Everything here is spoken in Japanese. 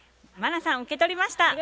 茉奈さん受け取りました。